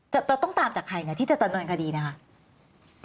จะต้องตามจากใครเนี่ยที่จะตามการคดีนะครับ